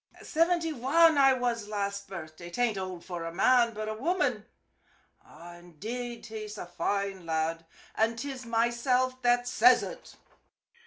Sivinty wan I was last birthday. 'Tain't old for a man, but a woman indade he's a foine lad, an' 'tis myself that ses ut."